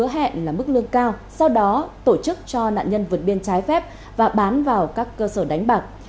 hứa hẹn là mức lương cao sau đó tổ chức cho nạn nhân vượt biên trái phép và bán vào các cơ sở đánh bạc